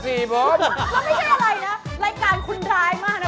แล้วไม่ใช่อะไรนะรายการคุณร้ายมากนะ